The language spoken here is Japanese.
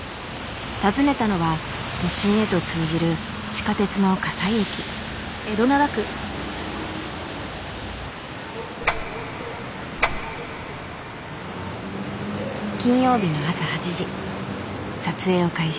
訪ねたのは都心へと通じる地下鉄の金曜日の朝８時撮影を開始。